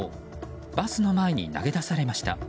バスの前に投げ出されました。